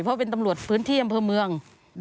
เพราะเป็นตำรวจพื้นที่อำเภอเมือง